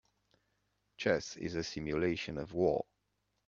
Chess is a simulation of war.